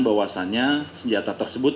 bahwasanya senjata tersebut